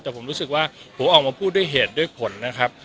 แต่ผมรู้สึกว่าผมออกมาพูดด้วยเหตุด้วยผลนะครับ